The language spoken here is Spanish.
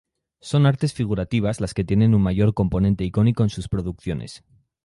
Son artes figurativas las que tienen un mayor componente icónico en sus producciones.